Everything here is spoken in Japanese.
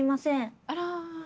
あら。